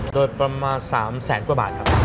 โดยประมาณ๓แสนกว่าบาทครับ